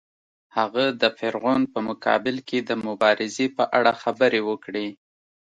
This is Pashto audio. هغه د فرعون په مقابل کې د مبارزې په اړه خبرې وکړې.